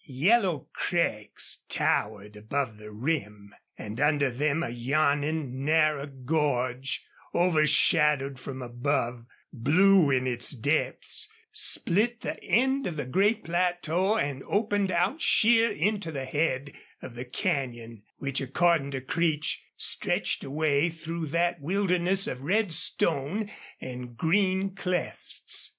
Yellow crags towered above the rim, and under them a yawning narrow gorge, overshadowed from above, blue in its depths, split the end of the great plateau and opened out sheer into the head of the canyon, which, according to Creech, stretched away through that wilderness of red stone and green clefts.